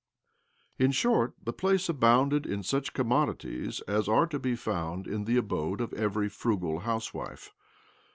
In short, the place abounded in such commodities as are to be fou, nd in the abode of every frugal house wife.